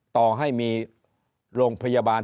ต่อให้มีโรงพยาบาล